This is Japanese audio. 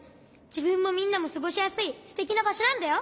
じぶんもみんなもすごしやすいすてきなばしょなんだよ。